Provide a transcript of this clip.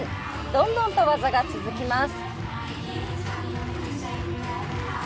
どんどんと技が続きます。